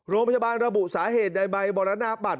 โรงพยาบาลระบุสาเหตุใดใบบรรณบัตร